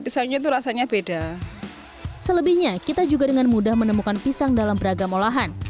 pisangnya itu rasanya beda selebihnya kita juga dengan mudah menemukan pisang dalam beragam olahan